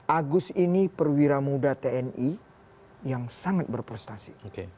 agus ini perwira muda tni yang sangat berprestasi